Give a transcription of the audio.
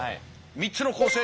３つの構成で。